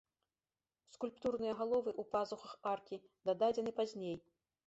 Скульптурныя галовы ў пазухах аркі дададзены пазней.